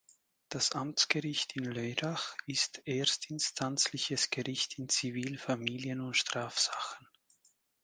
Das Amtsgericht in Lörrach ist erstinstanzliches Gericht in Zivil-, Familien- und Strafsachen.